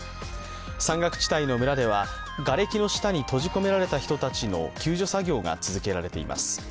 山岳地帯の村ではがれきの下に閉じ込められた人たちの救助作業が続けられています。